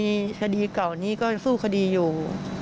เพราะคดีเก่านี้ก็สู้คดีอยู่